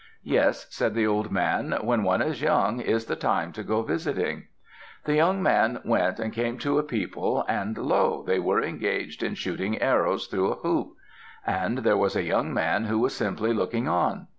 "Yes," said the old man. "When one is young is the time to go visiting." The young man went and came to a people, and lo! they were engaged in shooting arrows through a hoop. And there was a young man who was simply looking on.